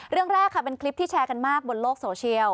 เรื่องแรกค่ะเป็นคลิปที่แชร์กันมากบนโลกโซเชียล